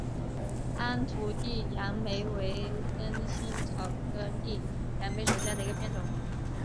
安图地杨梅为灯心草科地杨梅属下的一个变种。